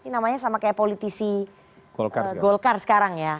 namanya sama kayak politisi golkar sekarang ya